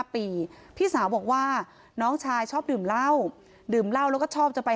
ปีพี่สาวบอกว่าน้องชายชอบดื่มเหล้าดื่มเหล้าแล้วก็ชอบจะไป